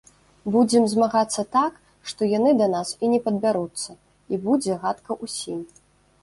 Будзем змагацца так, што яны да нас і не падбяруцца, і будзе гадка ўсім.